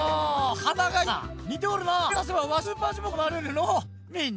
はながいいな！にておるな！